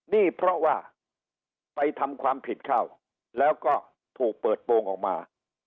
นี่เพราะว่าไปทำความผิดเข้าแล้วก็ถูกเปิดโปรงออกมา